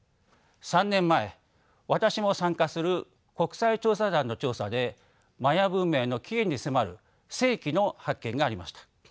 ３年前私も参加する国際調査団の調査でマヤ文明の起源に迫る世紀の発見がありました。